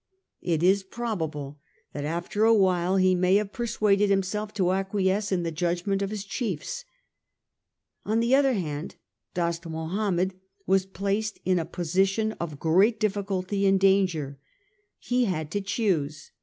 It is probable that after a while he may have persuaded himself to acquiesce in the judgment of his chiefs. On the other hand, Dost Mahomed was placed in a position of great diffi culty and danger. He had to choose.